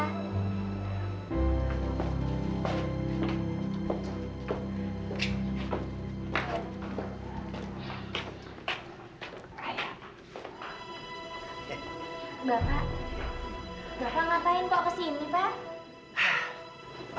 bapak bapak ngapain kok kesini pak